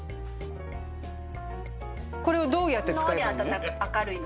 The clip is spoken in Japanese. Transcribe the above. これをどうやって使えばいいの？